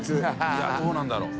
いやぁどうなんだろう？